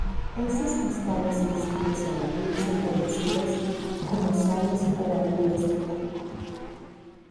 Esos cristales sensibles a la luz son conocidos como sales o haluros de plata.